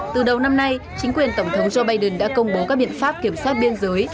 từ đầu năm nay chính quyền tổng thống joe biden đã công bố các biện pháp kiểm soát biên giới